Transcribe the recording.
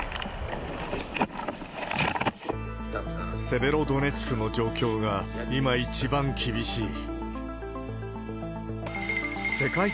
セベロドネツクの状況が今、一番厳しい。